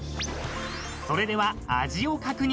［それでは味を確認］